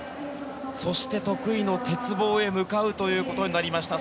そして得意の鉄棒へ向かうということになりました。